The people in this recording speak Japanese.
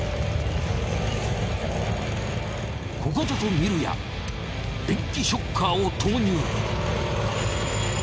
ここぞと見るや電気ショッカーを投入。